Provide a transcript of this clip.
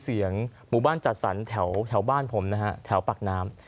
เสียงหมู่บ้านจัดสรรค์แถวแถวบ้านผมนะที่แถวปากน้ำ